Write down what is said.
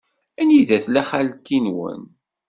Anida tella xalti-nwen?